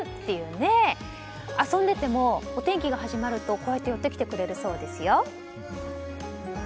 遊んでてもお天気が始まるとこうやって寄ってきてくれるそうですよ。